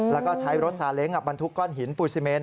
แล้วก็ใช้รถซาเล้งบรรทุกก้อนหินปูซิเมน